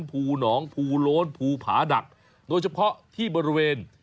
ภูหนองภูโล้นภูผาดักโดยเฉพาะที่บริเวณ